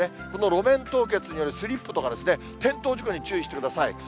この路面凍結によるスリップとかですね、転倒事故に注意してください。